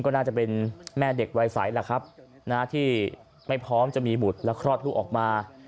ก็น่าจะเป็นแม่เด็กวัยใสแหละครับที่ไม่พร้อมจะมีบุตรและคลอดลูกออกมา